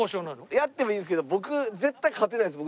やってもいいんですけど僕絶対勝てないですもん。